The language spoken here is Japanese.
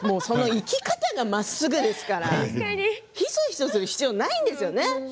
生き方がまっすぐですからひそひそすることはないんですね。